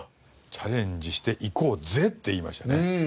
「チャレンジしていこうぜ！」って言いましたね。